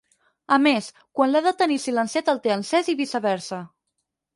A més, quan l'ha de tenir silenciat el té encès i viceversa.